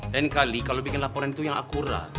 lain kali kalau bikin laporan itu yang akurat